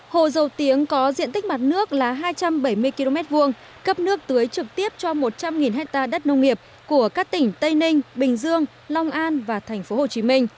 hồ dầu tiếng có diện tích mặt nước là hai trăm bảy mươi km hai cấp nước tưới trực tiếp cho một trăm linh hectare đất nông nghiệp của các tỉnh tây ninh bình dương long an và tp hcm